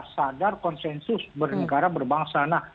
sadar konsensus bernegara berbangsa